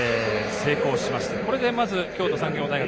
先制、京都産業大学。